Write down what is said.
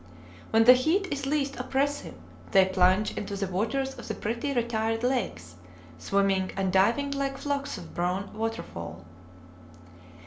When the heat is least oppressive they plunge into the waters of the pretty retired lakes, swimming and diving like flocks of brown water fowl.